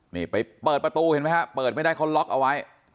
นี่ไปเปิดประตูเห็นไหมฮะเปิดไม่ได้เขาล็อกเอาไว้